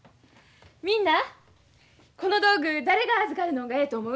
みんなこの道具誰が預かるのんがええと思う？